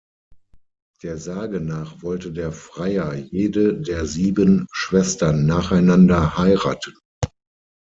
Der Sage nach wollte der Freier jede der sieben Schwestern nacheinander heiraten.